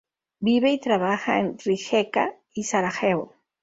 Vive y trabaja en Rijeka y Sarajevo.